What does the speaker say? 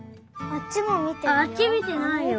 あっちみてないよ。